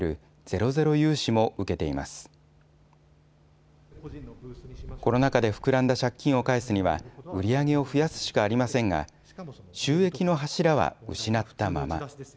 コロナ禍で膨らんだ借金を返すには、売り上げを増やすしかありませんが、収益の柱は失ったまま。